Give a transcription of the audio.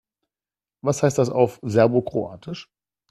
Was heißt das auf Serbokroatisch?